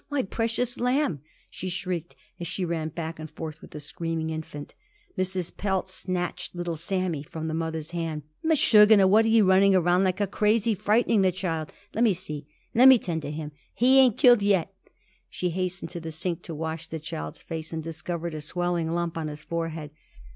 My precious lamb!" she shrieked as she ran back and forth with the screaming infant. Mrs. Pelz snatched little Sammy from the mother's hands. "Meshugneh! what are you running around like a crazy, frightening the child? Let me see. Let me tend to him. He ain't killed yet." She hastened to the sink to wash the child's face, and discovered a swelling lump on his forehead.